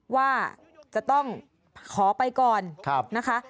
ว่าจะต้องขอไปก่อนนะคะ